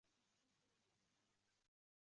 Men unday demadim, dedi u elkasini qisib